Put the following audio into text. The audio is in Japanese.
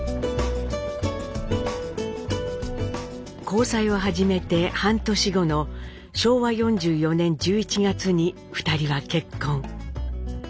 交際を始めて半年後の昭和４４年１１月に２人は結婚。